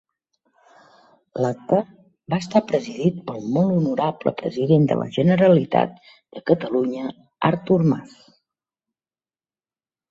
L'acte va estar presidit pel Molt Honorable president de la Generalitat de Catalunya, Artur Mas.